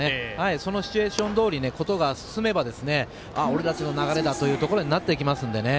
そのシチュエーションどおりことが進めば俺たちの流れだってなっていきますので。